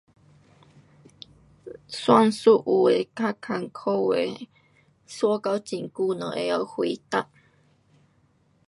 算数有的较困苦的，算到很久才知晓回答。